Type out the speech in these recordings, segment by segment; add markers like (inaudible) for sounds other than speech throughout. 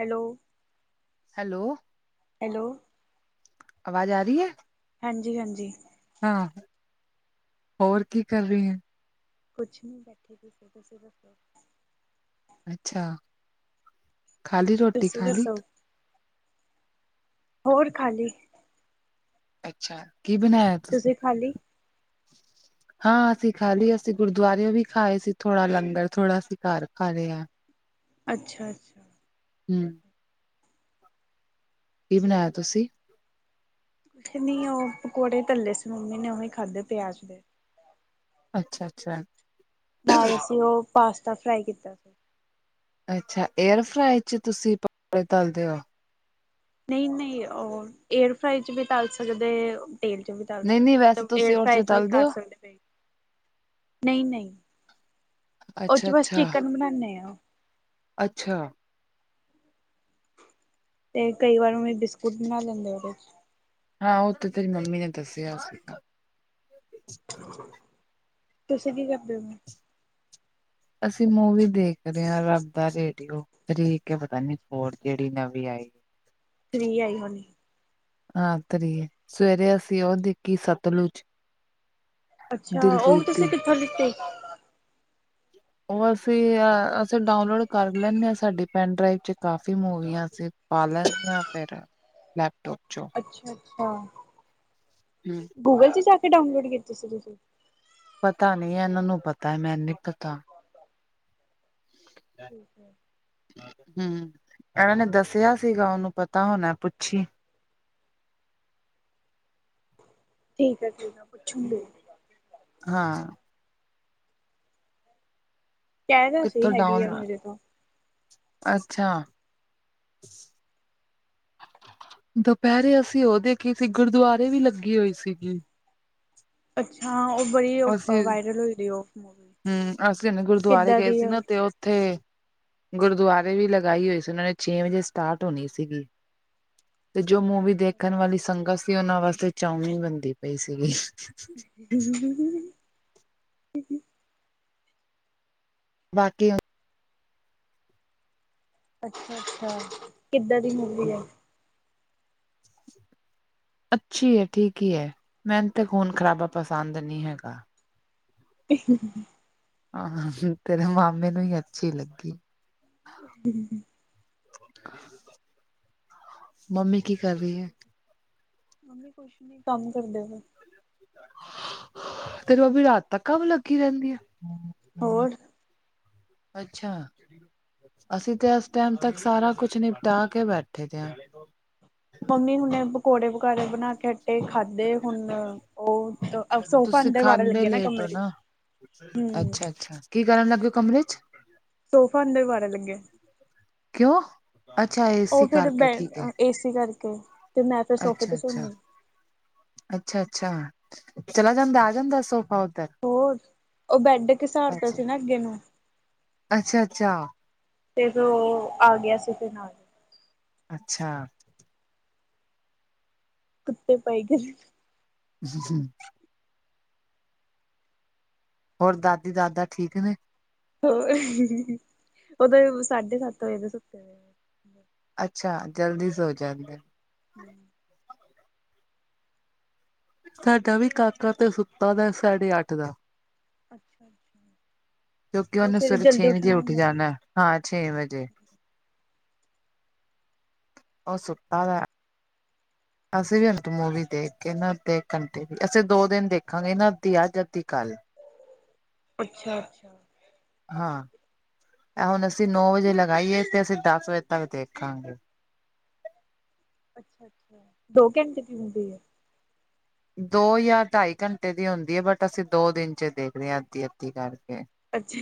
Hello. Hello. Hello. ਆਵਾਜ਼ ਆ ਰਹੀ ਹੈ। ਹਾਂਜੀ -ਹਾਂਜੀ। ਹਾਂ, ਹੋਰ ਕੀ ਕਰ ਰਹੀ ਹੈ। ਕੁਛ ਨਹੀਂ ਬੈਠੀ ਪਈ ਸੀ ਤੁਸੀਂ ਦੱਸੋ। ਅੱਛਾ। ਖਾਲੀ ਰੋਟੀ ਤੁਸੀਂ ਖਾਲੀ? ਦੱਸੋ ਹੋਰ ਖਾਲੀ ਅੱਛਾ, ਕੀ ਬਣਾਇਆ। ਤੁਸੀਂ ਖਾਲੀ। ਹਾਂ ਅਸੀਂ ਖਾ ਲਈ ਅਸੀਂ ਗੁਰਦੁਆਰੇ ਵੀ ਖਾਏ ਸੀ ਥੋੜਾ ਲੰਗਰ ਥੋੜਾ ਅਸੀਂ ਘਰ ਖਾ ਲੲਇਆ। ਅੱਛਾ- ਅੱਛਾ ਹਮ ਕੁਛ ਕੀ ਬਣਾਇਆ ਤੁਸੀਂ? ਕਹਿੰਨੀ ਆ ਉਹ ਪਕੌੜੇ ਤੱਲੇ ਸੀ ਮੰਮੀ ਨੇ ਉਹੀ ਖਾਧੇ ਪਿਆਜ ਦੇ। ਅੱਛਾ -ਅੱਛਾ। ਨਾਲ ਅਸੀਂ ਉਹ ਪਾਸਤਾ ਫਰਾਈ ਕੀਤਾ ਸੀ। ਅੱਛਾ, ਏਅਰ ਫਰਾਈ ਚ ਤੁਸੀਂ ਪਕੋੜੇ ਤਲਦੇ ਹੋ? ਨਹੀਂ- ਨਹੀਂ ਉਹ ਏਅਰ ਫਰਾਈ ਚ ਵੀ ਤਲ ਸਕਦੇ ਤੇਲ ਚ ਵੀ ਤਲ ਸਕਦੇ ਨਹੀਂ-ਨਹੀਂ ਔ ਵੈਸੇ ਮਤਲਬ ਏਅਰ ਤੁਸੀਂ ਉਹ ਫਰਾਈ ਚ ਵੀ ਤਲਦੇ ਕਰ ਹੋ? ਸਕਦੇ ਪਏ। ਨਹੀਂ- ਨਹੀਂ ਉਹਦੇ ਚ ਬਸ ਅੱਛਾ-ਅੱਛਾ, ਅੱਛਾ। ਚਿਕਨ ਬਣਾਨੇ ਆ। ਅੱਛਾ। ਤੇ ਕਈ ਵਾਰ ਉਹ ਬਿਸਕੁਟ ਬਣਾ ਲੈਂਨੇ ਆ ਉਦੇ ਚ। ਹਾਂ, ਉਹ ਤੇ ਤੇਰੀ ਮੰਮੀ ਨੇ ਦੱਸਿਆ ਸੀਗਾ। ਤੁਸੀਂ ਕੀ ਕਰਦੇ ਪਏ ਓ? ਅਸੀਂ ਮੂਵੀ ਦੇਖ ਰਹੇ ਹਾਂ ਰੱਬ ਦਾ ਰੇਡੀਓ ਥ੍ਰੀ ਕੇ ਪਤਾ ਨੀ ਅੱਛਾ ਫੋਰ ਜਿਹੜੀ ਨਵੀਂ ਆਈ। ਥ੍ਰੀ ਆਈ ਹੋਣੀ। ਹਾਂ, ਥ੍ਰੀ ਸਵੇਰੇ ਅਸੀਂ ਉਹ ਦੇਖੀ ਸਤਲੁੱਜ। ਅੱਛਾ, ਉਹ ਵੀ ਤੁਸੀਂ ਦੀ ਕਿੱਥੋਂ ਲਿੱਤੇ? ਉਹ ਅਸੀਂ ਅਸੀਂ ਡਾਊਨਲੋਡ ਕਰ ਲੈਂਦੇ ਹਾਂ, ਸਾਡੀ ਪੈਨ ਡਰਾਈਵ ਚ ਕਾਫੀ ਮੂਵੀਆਂ ਸੀ। ਪਾ ਲੈਣ ਹਾ ਫਿਰ ਲੈਪਟੋਪ ਚੋਂ। ਅੱਛਾ- ਅੱਛਾ। ਹੰਮ ਗੂਗਲ 'ਚ ਜਾ ਕੇ ਡਾਊਨਲੋਡ ਕੀਤੀ ਸੀ ਤੁਸੀਂ? ਪਤਾ ਨੀ, ਇਹਨਾਂ ਨੂੰ ਪਤਾ ਮੈਨੇ ਨੀ ਪਤਾ। ਠੀਕ ਹੈ। ਹੂੰ, ਇਹਨਾਂ ਨੇ ਦੱਸਿਆ ਸੀਗਾ ਉਹਨੂੰ ਪਤਾ ਹੋਣਾ ਪੁੱਛੀ। ਠੀਕ ਐ -ਠੀਕ ਐ ਪੁੱਛੂੰਗੀ। ਹਾਂ। ਕਹਿ ਰਿਹਾ ਸੀ ਕਿੱਥੋਂ ਹੈਗੀ ਡਾਊਨ ਆ ਲੋਡ? ਮੇਰੇ ਤੋਂ ਅੱਛਾ! (inaudible) ਦੁਪੇਰੇ ਅਸੀਂ ਓ ਦੇਖੀ ਸੀ ਗੁਰਦਵਾਰੇ ਵੀ ਲੱਗੀ ਹੋਈ ਸੀਗੀ। ਅੱਛਾ ਉਹ ਬੜੀ ਅਸੀਂ ਵਾਇਰਲ ਉਹ ਦੀ ਏ ਉਹ ਮੂਵੀ। ਹਮ ਅਸੀਂ ਹੁਣੇ ਗੁਰਦੁਆਰੇ ਕਿੱਦਾਂ ਗਏ ਦੀ ਸੀ ਆ ਨਾ ਤੇ ਉੱਥੇ ਗੁਰਦਵਾਰੇ ਵੀ ਲਗਾਈ ਓਈ ਸੀ, ਉਨਾਂ ਨੇ ਛੇ ਵਜੇ ਸਟਾਰਟ ਹੋਣੀ ਸੀਗੀ। ਤੇ ਜੋ ਮੂਵੀ ਅੱਛਾ। ਦੇਖਣ ਵਾਲੀ ਸੰਗਤ ਸੀ, ਉਨਾਂ ਵਾਸਤੇ ਚਉਂਮੀਣ ਬਣਦੀ ਪਈ ਸੀਗੀ (unintelligible) (unintelligible) ਬਾਕੀ ਅੱਛਾ-ਅੱਛਾ, ਕਿੱਦਾਂ ਦੀ ਮੂਵੀ ਏ? (inaudible) ਅੱਛੀ ਏ, ਠੀਕ ਈ ਏ ਮੈਨੂੰ ਤੇ ਖ਼ੂਨ ਖਰਾਬਾ ਪਸੰਦ ਨੀ ਹੈਗਾ। (unintelligible) ਆ ਤੇਰੇ ਮਾਮੇ ਨੂੰ ਈ ਅੱਛੀ ਲੱਗੀ। (inaudible) ਮੰਮੀ ਕੀ ਕਰ ਰੀ ਏ? ਮੰਮੀ ਕੁਸ਼ ਨੀ ਕੰਮ ਕਰਦੇਪ ਪਏ। (unintelligible) ਤੇਰੀ (unintelligible) ਰਾਤ ਤੱਕ ਕੰਮ ਲੱਗੀ ਰੈਂਦੀ ਏ? ਹੋਰ? ਅੱਛਾ। ਅਸੀਂ ਤੇ ਏਸ ਟੈਮ ਤੱਕ ਸਾਰਾ ਕੁਛ ਨਿਪਟਾ ਕੇ ਬੈਠੇ ਦੇ ਆਂ। ਪੰਮੀ ਹੁਣੇ ਪਕੌੜੇ-ਪਕਾੜੇ ਬਣਾ ਕੇ ਇਹ ਖਾਧੇ ਹੁਣ, ਉਹ ਸੋਫਾ ਤੁਸੀਂ ਅੰਦਰ ਵਾੜਨ ਖਾਂਦੇ ਲੱਗੇ ਨਾ ਲੇਟ ਕਮਰੇ ਹੋ ਵਿੱਚ। ਅੱਛਾ ਅੱ ਕੀ ਕਰਨ ਲੱਗੇ ਓ ਕਮਰੇ 'ਚ? ਸੋਫਾ ਅੰਦਰ ਵਾੜਨ ਲੱਗੇ ਆ। ਕਿਉਂ ਅੱਛਾ (inaudible) ਉਹ ਏਸੀ ਫਿਰ ਬ ਕਰਕੇ ਏ ਸੀ ਕਰਕੇ। ਤੇ ਮੈਂ ਫਿਰ ਸੋਫੇ ਤੇ ਅੱਛਾ-ਅੱਛਾ, ਸੋਨੀ ਅੱਛਾ-ਅੱਛਾ ਚਲਾ ਜਾਂਦਾ ਆ ਜਾਂਦਾ ਸੋਫਾ। ਹੋਰ, ਉਹ ਬੈੱਡ ਕਿਸਾਰਤਾ ਸੀ ਨਾ ਅੱਗੇ ਨੂੰ। ਅੱਛਾ-ਅੱਛਾ। ਤੇ ਫੇਰ ਉਹ ਆ ਗਿਆ ਸੀ ਤੇ ਨਾਲ ਅੱਛਾ। ਕੁੱਤੇ ਪਾਈ ਗੇ। (unintelligible) ਹੋਰ ਦਾਦੀ-ਦਾਦਾ ਠੀਕ ਨੇ? ਹੋਰ, ਉਹ ਤੇ ਸਾਢੇ-ਸੱਤ ਵਜੇ ਦੇ ਸੁੱਤੇ ਹੋਏ ਨੇ। ਅੱਛਾ ਜਲਦੀ ਸੌਂ ਜਾਂਦੇ ਨੇ। (inaudible) ਸਾਡਾ ਵੀ ਕਾਕਾ ਤੇ ਸੁੱਤਾ ਦਾ ਸਾਢੇ ਅੱਠ ਦਾ। ਅੱਛਾ ਕਿਉਂਕਿ ਉਹ ਉਨੇ ਸਵੇਰੇ ਜਲਦੀ ਛੇ ਵਜੇ ਉੱਠਣਾ ਉੱਠ ਹੁੰਦਾ ਜਾਣਾ ਨਾ ਹਾਂ ਛੇ ਵਜੇ। ਉਹ ਸੁੱਤਾ ਵਾ। (inaudible) ਅਸੀਂ ਵੀ ਅੰਤ ਮੂਵੀ ਦੇਖ ਕੇ ਨਾ ਅੱਧੇ ਘੰਟੇ ਦੀ ਅਸੀਂ ਦੋ ਦਿਨ ਦੇਖਾਂਗੇ ਇਹਨਾਂ ਅੱਧੀ ਅੱਜ ਅੱਧੀ ਕੱਲ੍ਹ। ਅੱਛਾ ਹਾਂ, ਐ ਹੁਣ ਅਸੀਂ ਨੌ ਵਜੇ ਲਗਾਈ ਏ ਤੇ ਅਸੀਂ ਦੱਸ ਵਜੇ ਤੱਕ ਦੇਖਾਂਗੇ। ਅੱਛਾ-ਅੱਛਾ ਦੋ ਘੰਟੇ ਦੀ ਹੁੰਦੀ ਆ? ਦੋ ਜਾਂ ਢਾਈ ਘੰਟੇ ਦੀ ਹੁੰਦੀ ਏ ਬਟ ਅਸੀਂ ਦੋ ਦਿਨ 'ਚ ਦੇਖਦੇ ਹਾਂ ਅੱਧੀ-ਅੱਧੀ ਕਰਕੇ। ਅੱਛਾ।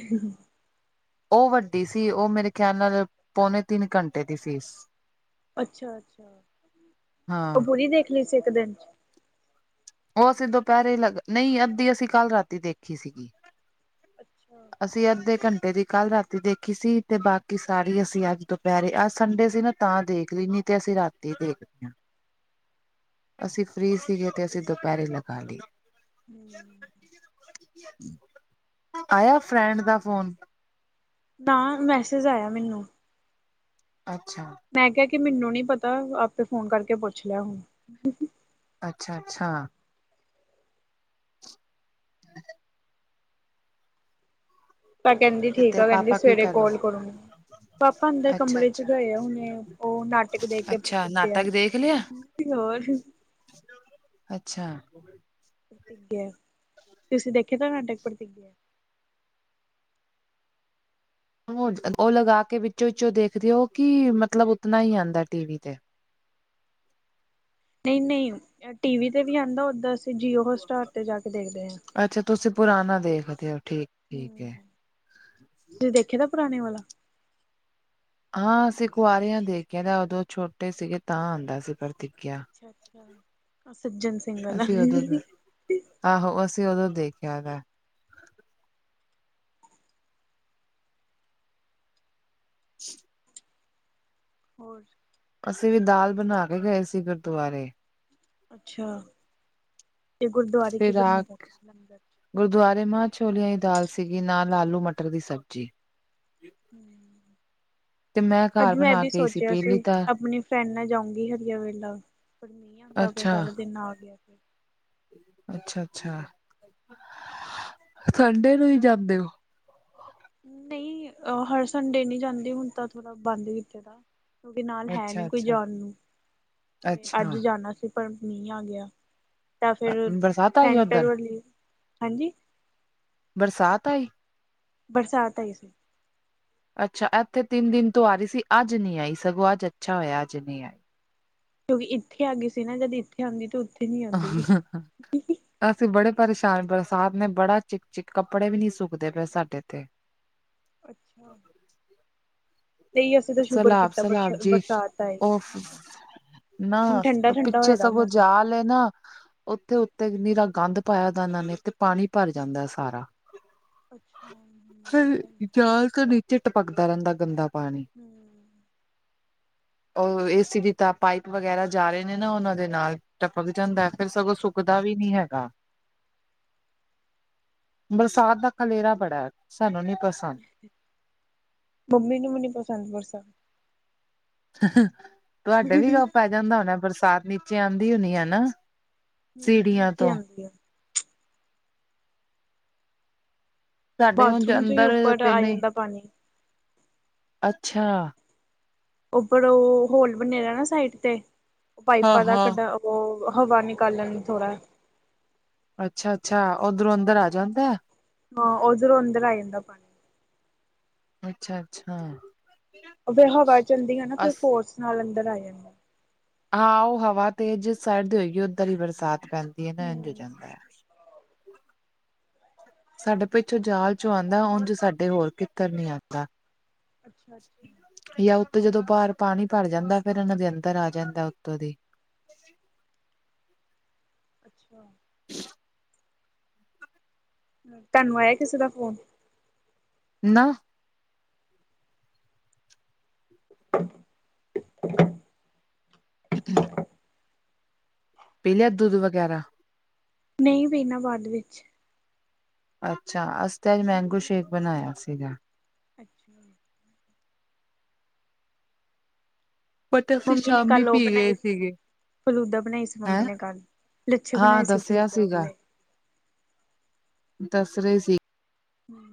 ਉਹ ਵੱਡੀ ਸੀ ਉਹ ਮੇਰੇ ਖਿਆਲ ਨਾਲ ਪੌਨੇ ਤਿੰਨ ਘੰਟੇ ਦੀ ਸੀ। ਅੱਛਾ-ਅੱਛਾ, ਹਾਂ ਉਹ ਪੂਰੀ ਦੇਖ ਲੀ ਸੀ ਇੱਕ ਦਿਨ 'ਚ? ਉਹ ਅਸੀਂ ਦੁਪਹਿਰੇ ਲੱਗ ਨਹੀਂ ਅੱਧੀ ਅਸੀਂ ਕੱਲ੍ਹ ਰਾਤੀ ਦੇਖੀ ਸੀਗੀ। ਅੱਛਾ ਅਸੀਂ ਅੱਧੇ ਘੰਟੇ ਦੀ ਕੱਲ੍ਹ ਰਾਤੀ ਦੇਖੀ ਸੀ ਤੇ ਬਾਕੀ ਸਾਰੀ ਅਸੀਂ ਅੱਜ ਤੋਂ ਦੁਪਹਿਰੇ ਅੱਜ ਸੰਡੇ ਸੀ ਨਾ ਤਾਂ ਦੇਖ ਲਈ ਨੀ ਤੇ ਅਸੀਂ ਰਾਤੀ ਦੇਖਦੇ ਹਾਂ। ਅਸੀਂ ਫਰੀ ਸੀਗੇ ਤੇ ਅਸੀਂ ਦੁਪਹਿਰੇ ਲਗਾ ਲੀ। ਹੂੰ (unintelligible) ਆਇਆ ਫਰੈਂਡ ਦਾ ਫੋਨ? ਨਾ ਮੈਸੇਜ ਆਇਆ ਮੈਨੂੰ। ਅੱਛਾ ਮੈਂ ਕਿਹਾ ਕਿ ਮੈਨੂੰ ਨੀ ਪਤਾ ਆਪੇ ਫੋਨ ਕਰਕੇ ਪੁੱਛ ਲਿਆ ਹੋਊ। ਅੱਛਾ-ਅੱਛਾ। (unintelligible) ਤਾਂ ਕਹਿੰਦੀ ਤੇ ਠੀਕ ਤੇਰੇ ਆ ਕਹਿੰਦੀ ਪਾਪਾ ਕੀ ਸਵੇਰੇ ਕਰ ਕੋਲ ਰਹੇ ਕਰੂੰਗੀ ਪਾਪਾ ਅੰਦਰ ਅੱਛਾ ਕਮਰੇ ਚ ਅੱਛਾ ਗਏ ਆ ਹਨੇ ਉਹ ਨਾਟਕ ਦੇਖ ਕੇ ਅੱਛਾ ਪ੍ਰਤੀਗਿਆ ਨਾਟਕ ਦੇਖ ਲਿਆ ਯਾਰ ਅੱਛਾ ਪ੍ਰਤਿਗਿਆ, ਤੁਸੀਂ ਦੇਖਿਆ ਦਾ ਨਾਟਕ ਪ੍ਰਤਿਗਿਆ ਉਹ ਲਗਾ ਕੇ ਵਿੱਚੋ ਵਿਚੋ ਦੇਖਦੇ ਓ ਕੀ ਮਤਲਬ ਉਤਨਾ ਹੀ ਆਂਦਾ ਟੀ ਵੀ ਤੇ ਨਈ ਨਈ ਟੀ ਵੀ ਤੇ ਵੀ ਆਂਦਾ ਓਦਾਂ ਅਸੀਂ ਜੀਓ ਹੋ ਸਟਾਰ ਤੇ ਜਾ ਕੇ ਦੇਖਦੇ ਆ ਅੱਛਾ ਤੁਸੀਂ ਪੁਰਾਣਾ ਦੇਖਦੇ ਹੋ ਠੀਕ-ਠੀਕ ਹੂੰ ਐ ਤੁਸੀਂ ਦੇਖੇ ਦਾ ਪੁਰਾਣੇ ਵਾਲਾ ਹਾਂ ਅਸੀਂ ਕੁਆਰੀਆਂ ਦੇਖਿਆ ਤਾਂ ਉਦੋਂ ਛੋਟੇ ਸੀਗੇ ਤਾਂ ਆਂਦਾ ਸੀ ਪ੍ਰਤੀ ਅੱਛਿਆ ਅੱਛਿਆ ਆਹ ਸੱਜਣ ਸਿੰਘ ਆਲਾ ਅਸੀਂ ਉਦੋਂ ਆਹੋ ਅਸੀਂ ਉਦੋਂ ਦੇਖਿਆਂ ਗਾ (inaudible) ਹੋਰ ਅਸੀਂ ਵੀ ਦਾਲ ਬਣਾ ਕੇ ਗਏ ਸੀ ਗੁਰਦੁਆਰੇ। ਅੱਛਾ ਤੇ ਗੁਰਦੁਆਰੇ ਕੀ ਫਿਰ ਆ ਬਨਿਆ ਤੇ ਲੰਗਰ ਗੁਰਦੁਆਰੇ ਮਾਂਹ ਛੋਲਿਆਂ ਦੀ ਦਾਲ ਸੀਗੀ ਨਾਲ ਆਲੂ ਮਟਰ ਦੀ ਸਬਜ਼ੀ ਹੂੰ ਤੇ ਅੱਜ ਘਰ ਮੈਂ ਬਣਾ ਵੀ ਕੇ ਗਈ ਸੋਚਿਆ ਪੀਲੀ ਸੀ ਦਾਲ ਆਪਣੀ ਫਰੈਂਡ ਨਾਲ ਜਾਊਗੀ ਹਰੀਆ ਵੇਲਾ ਮੀਂਹ ਆਂਦਾ ਪਿਆ ਅੱਛਾ ਸਾਰਾ ਦਿਨ ਆ ਗਿਆ ਫੇਰ ਅੱਛਾ ਅੱਛਾ, ਸੰਡੇ ਨੂੰ ਹੀ ਜਾਂਦੇ ਹੋ? ਨਈ ਹਰ ਸੰਡੇ ਨਹੀਂ ਜਾਂਦੀ ਹੁਣ ਤਾਂ ਥੋੜ੍ਹਾ ਬੰਦ ਕੀਤੇ ਦਾ ਕਿਉਂਕਿ ਨਾਲ ਹੈ ਨੀ ਅੱਛਾ ਕੋਈ ਅੱਛਾ ਜਾਣ ਨੂੰ, ਤੇ ਅੱਛਾ ਅੱਜ ਜਾਣਾ ਸੀ। ਪਰ ਮੀਂਹ ਆ ਗਿਆ ਤਾਂ ਫੇਰ ਬਰਸਾਤ ਆਈ ਸੈਂਟਰ ਉੱਧਰ ਵਾਲੀ, ਹਾਂਜੀ ਬਰਸਾਤ ਆਈ? ਬਰਸਾਤ ਆਈ ਸੀ। ਅੱਛਾ ਐਥੇ ਤਿੰਨ ਦਿਨ ਤੋਂ ਆ ਰੀ ਸੀ ਅੱਜ ਨੀ ਆਈ ਸਗੋਂ ਅੱਜ ਅੱਛਾ ਹੋਇਆ ਅੱਜ ਨੀਂ ਆਈ। ਕਿਉਂਕਿ ਇੱਥੇ ਆ ਗਈ ਸੀ ਨਾ ਜਦੀ (unintelligible) ਤੇ ਉਥੇ ਨੀ ਆਂਦੀ (unintelligible) ਅਸੀਂ ਬੜੇ ਪਰੇਸ਼ਾਨ ਬਰਸਾਤ ਨੇ ਬੜਾ ਚਿੱਕ ਚਿੱਕ ਕੱਪੜੇ ਵੀ ਨੀ ਸੁੱਕਦੇ ਪਏ ਸਾਡੇ ਤੇ ਅੱਛਾ ਨਈ ਅਸੀਂ ਤਾਂ ਸ਼ੁਕਰ ਸਲਾਬ ਕੀਤਾ ਬਰ ਸਲਾਬ ਜੀ ਬਰਸਾਤ ਆਈ। ਉਹ ਨਾ ਪਿੱਛੋ ਸਗੋਂ ਜਾਲ ਏ ਨਾ ਉੱਥੇ ਉੱਤੇ ਨੀਰਾ ਗੰਦ ਪਾਇਆ ਦਾ ਨਾ ਇਨਾਂ ਨੇ ਤੇ ਪਾਣੀ ਭਰ ਜਾਂਦਾ ਸਾਰਾ ਅੱਛਾ ਹੂੰ ਫੇਰ ਜਾਲ ਤੋਂ ਨੀਚੇ ਟਪਕਦਾ ਰਹਿੰਦਾ ਗੰਦਾ ਪਾਣੀ। ਹੂੰ ਉਹ ਏ ਸੀ ਦੀ ਤਾਂ ਪਾਈਪ ਵਗੈਰਾ ਜਾ ਰਹੇ ਨੇ ਨਾ ਉਨਾਂ ਦੇ ਨਾਲ ਟਪਕ ਜਾਂਦੈ ਹੂੰ ਫੇਰ ਸਗੋਂ ਸੁੱਕ ਦਾ ਵੀ ਨੀ ਹੈਗਾ। ਬਰਸਾਤ ਦਾ ਖਲੇਰਾ ਬੜਾ ਐ ਸਾਨੂੰ ਨੀ ਪਸੰ ਮੰਮੀ ਨੂੰ ਵੀ ਨੀ ਪਸੰਦ ਬਰਸਾ ਤੁਹਾਡੇ ਵੀ ਹੂੰ ਗਾ ਪੈ ਜਾਂਦਾ ਹੋਣਾ ਬਰਸਾਤ ਨੀਚੇ ਆਂਦੀ ਹੋਣੀ ਆ ਨਾ? ਹੂੰ ਸੀੜੀਆਂ ਨੀਚੇ ਤੋਂ ਆਂਦੀ ਆ। ਸਾਡੇ ਉਝ ਬਾਥਰੂਮ ਚ ਵੀ ਅੰਦਰ ਉੱਪਰ ਤੇ ਆਈ ਨਹੀਂ ਜਾਂਦਾ ਪਾਣੀ ਅੱਛਾ ਉਪਰੋ ਹੋਲ ਬਨੇ ਵੇ ਆ ਨਾ ਸਾਈਡ ਤੇ ਹਾਂ ਪਾਈਪਾਂ ਦਾ ਹਾਂ ਕੱਢਾ ਓ ਹਵਾ ਨਿਕਾਲਣ ਨੂੰ ਥੋੜ੍ਹਾ ਅੱਛਾ-ਅੱਛਾ ਓਧਰੋਂ ਅੰਦਰ ਆ ਜਾਂਦੈ। ਹਾਂ ਓਜਰੋਂ ਅੰਦਰ ਆ ਜਾਂਦਾ ਪਾਣੀ। ਅੱਛਾ-ਅੱਛਾ ਓ ਫੇਰ ਹਵਾ ਚੱਲਦੀ ਆ ਨਾ ਫਿਰ ਫੋਰਸ ਨਾਲ ਅੰਦਰ ਆ ਜਾਂਦਾ। ਹਾਂ ਓ ਹਵਾ ਤੇ ਜਿਸ ਸਾਈਡ ਦੀ ਹੋਏਗੀ ਉੱਧਰ ਈ ਬਰਸਾਤ ਪੈਂਦੀ ਐ ਨਾ ਇੰਝ ਹੋ ਹੂੰ ਜਾਂਦੈ। ਸਾਡੇ ਪਿੱਛੋਂ ਜਾਲ ਚੋਂ ਔਂਦਾ ਉਝ ਸਾਡੇ ਹੋਰ ਕਿਤਰ ਨੀ ਆਂਦਾ। ਅੱਛਾ-ਅੱਛਾ ਯਾਂ ਉੱਤੋਂ ਜਦੋਂ ਬਾਰ ਪਾਣੀ ਭਰ ਜਾਂਦਾ ਫਿਰ ਏਨਾਂ ਦੇ ਅੰਦਰ ਆ ਜਾਂਦਾ ਉੱਤੋਂ ਦੀ। ਅੱਛਾ। ਤਾਂਨੂੰ ਆਇਆ ਕਿਸੇ ਦਾ ਫੋਨ? ਨਾ। (inaudible) (inaudible) ਪੀਲਿਆ ਦੁੱਧ ਵਗੈਰਾ? ਨਈ ਪੀਨਾ ਬਾਦ ਵਿੱਚ। ਅੱਛਾ ਅਸੀ ਤੇ ਅੱਜ ਮੈਂਗੋ ਸ਼ੇਕ ਬਣਾਇਆ ਸੀਗਾ। (inaudible) ਬਟ ਅਸੀਂ ਮੰਮੀ ਨੇ ਸ਼ਾਮੀ ਕੱਲ੍ਹ ਓ ਪੀ ਗਏ ਬਣਾਏ ਸੀਗੇ ਫਲੂਦਾ ਬਣਾਈ ਸੀ ਮੰਮੀ ਹੈਂ ਨੇ ਕੱਲ, ਲੱਛੇ ਹਾਂ ਬਣਾਏ ਸੀ ਦੱਸਿਆ ਫਲੂਦਾ ਸੀਗਾ ਵਾਲੇ। ਦੱਸ ਰੇ ਸੀ ਹੂੰ।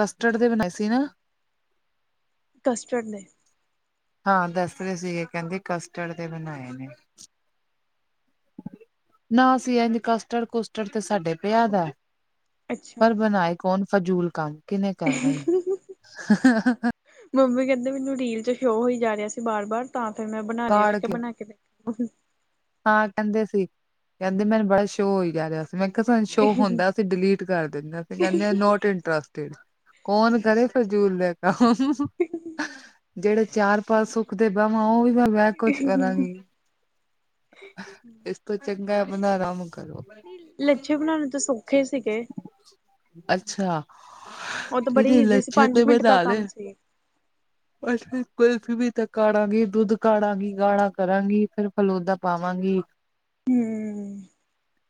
ਕਸਟਡ ਦੇ ਬਣਾਏ ਸੀ ਨਾ? ਕਸਟਰਡ ਨੇ। ਹਾਂ ਦੱਸ ਰੇ ਸੀਗੇ ਕੈਂਦੇ ਕਸਟਰਡ ਦੇ ਬਣਾਏ ਨੇ। ਨਾ ਅਸੀ ਇੰਜ ਕਸਟਰਡ-ਕੁਸਟਡ ਤੇ ਸਾਡੇ ਪਿਆ ਦਾ ਅੱਛਾ ਪਰ ਬਣਾਏ ਕੌਣ ਫਜੂਲ ਕੰਮ। ਕਿਹਨੇ ਕਰਨਾ ਹੀ ਮੰਮੀ ਕੈਂਦੇ ਮੈਨੂੰ ਰੀਲ ਚ ਸ਼ੋਅ ਹੋਈ ਜਾ ਰਿਆ ਸੀ ਬਾਰ ਬਾਰ ਤਾਂ ਫਿਰ ਮੈਂ ਬਣਾ ਲਿਆ ਮੈਂ ਕਿਆ ਬਣਾ ਕੇ ਦੇ (unintelligible) ਹਾਂ ਕੈਂਦੇ ਸੀ ਕੈਂਦੇ ਮੈਨੂੰ ਬੜਾ ਸ਼ੋਅ ਹੋਈ ਜਾ ਰਿਆ ਮੈਂ ਕਿਆ ਸਾਨੂੰ ਸ਼ੋ ਹੁੰਦਾ ਸੀਂ ਡਿਲੀਤਤ ਕਰ ਦਿੰਦੇ ਫਿਰ ਕੈਂਦੇ ਨੋਟ ਇੰਟਰ (unintelligible) ਕੌਣ ਕਰੇ ਫਜ਼ੂਲ ਦੇ ਕੰਮ। ਜੇੜੇ ਚਾਰ-ਪੰਜ ਸੁੱਖ ਦੇ ਬਾਮਾ ਓ ਵੀ ਮੈਂ ਐ ਕੁਛ ਕਰਾਂਗੀ। ਇਸ ਤੋਂ ਚੰਗਾ ਆਪਣਾ ਆਰਾਮ ਕਰੋ। ਨੀ ਲੱਛੇ ਬਣਾਣੇ ਤਾਂ ਸੌਖੇ ਸੀਗੇ। ਅੱਛਾ। ਓ ਤਾਂ ਬੜੀ ਇਹਦੇ ਇੰਜੀ ਸੀ ਲੱਛੇ ਪੰਜ ਮਿੰਟ ਦਾ ਕੰਮ ਸੀ। ਅਲਫੀ ਵੀ ਤਾਂ ਕਾੜਾਂਗੀ, ਦੁੱਧ ਕਾੜਾਂਗੀ ਗਾੜਾ ਕਰਾਂਗੀ ਫੇਰ ਫਲੋਦਾ ਪਾਵਾਂਗੀ ਹੂੰ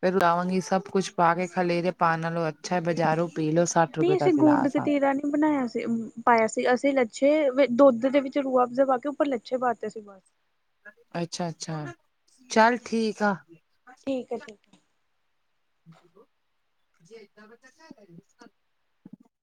ਫੇਰ ਲਵਾਂਗੀ ਸਭ ਕੁੱਛ ਪਾ ਕੇ ਖਲੇਰੇ ਪਾਣ ਨਾਲੋ ਅੱਛਾ ਏ ਬਜਾਰੋ ਪੀਲੋ ਸ ਨੀ ਅਸੀਂ ਗੂੰਦ ਕਤੀਰਾ ਨੀ ਬਣਾਇਆ ਸੀ ਪਾਇਆ ਸੀ ਅਸੀਂ ਲੱਛੇ ਦੁੱਧ ਦੇ ਵਿੱਚ ਰੂ ਅਫਜ਼ਲ ਪਾ ਕੇ ਉੱਪਰ ਲੱਛੇ ਪਾਤੇ ਸੀ ਬਸ। ਅੱਛਾ-ਅੱਛਾ ਚੱਲ ਠੀਕ ਆ। ਠੀਕ ਐ ਠੀਕ ਐ। (unintelligible)